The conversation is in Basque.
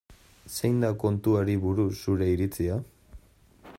Zein da kontuari buruz zure iritzia?